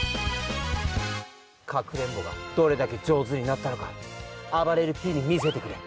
かくれんぼがどれだけじょうずになったのかあばれるＰにみせてくれ。